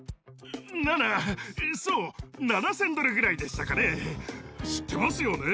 ７、そう、７０００ドルぐらいでしたかね、知ってますよね？